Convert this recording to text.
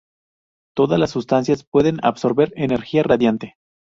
Todas las sustancias pueden absorber energía radiante.